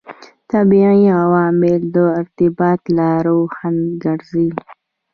طبیعي عوامل د ارتباط لارو خنډ ګرځي.